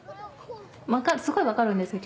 すごい分かるんですよ